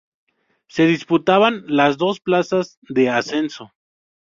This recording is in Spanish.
Se disputaban las dos plazas de ascenso.